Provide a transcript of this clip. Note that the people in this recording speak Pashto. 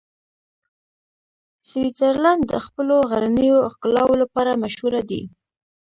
سویټزرلنډ د خپلو غرنیو ښکلاوو لپاره مشهوره دی.